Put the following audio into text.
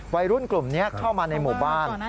วัยรุ่นกลุ่มนี้เข้ามาในหมู่บ้าน